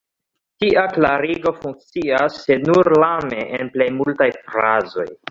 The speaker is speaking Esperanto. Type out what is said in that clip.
Tia klarigo funkcias, sed nur lame, en plej multaj frazoj.